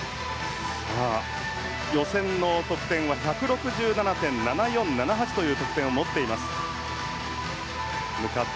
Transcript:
予選の得点は１６７．７４７８という得点を持っています。